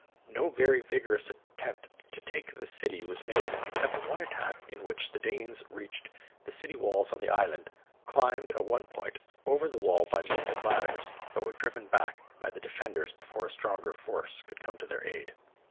No very vigorous attempt to take the city was made, except one attack in which the Danes reached the city walls on the island, climbed at one point over the wall by means of ladders, but were driven back by the defenders before a stronger force could come to their aid.